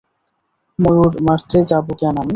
ময়ূর মারতে যাবো কেন আমি!